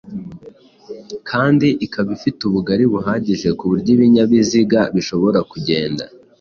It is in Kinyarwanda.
kandi ikaba ifite n’ubugari buhagije ku buryo ibinyabiziga bishobora, kugenda